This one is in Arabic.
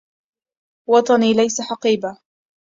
وطني ليس حقيبهْ